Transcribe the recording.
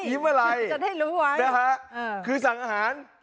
จะได้รู้ไหวคือสั่งอาหาร